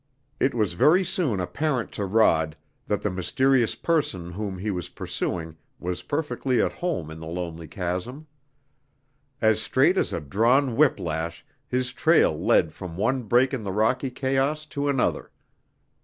It was very soon apparent to Rod that the mysterious person whom he was pursuing was perfectly at home in the lonely chasm. As straight as a drawn whip lash his trail led from one break in the rocky chaos to another.